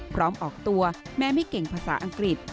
ออกตัวแม่ไม่เก่งภาษาอังกฤษ